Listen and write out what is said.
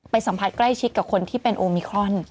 สัมผัสใกล้ชิดกับคนที่เป็นโอมิครอน